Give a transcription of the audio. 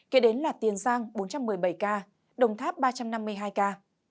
kế đến là tiền giang bốn trăm một mươi bảy ca đồng tháp ba trăm năm mươi hai ca